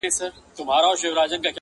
چي د جنګ پر نغارو باندي بل اور سو-